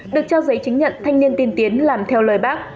được trao giấy chứng nhận thanh niên tiên tiến làm theo lời bác